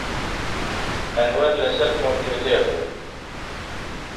ئەنوەر لەسەر کۆمپیوتەر بوو.